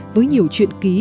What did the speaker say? với nhiều chuyện ký